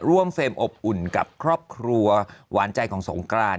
ร่วมเฟรมอบอุ่นกับครอบครัวหวานใจของสงการ